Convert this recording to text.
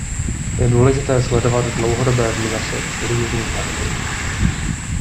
Je důležité sledovat dlouhodobé výnosy různých aktiv.